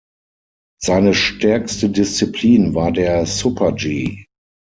Seine stärkste Disziplin war der Super-G.